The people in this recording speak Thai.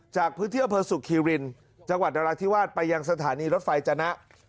จากพฤทธิพธิพศุกร์คีรินจังหวัดตลาดธิวาสไปยังสถานีรถไฟจนะ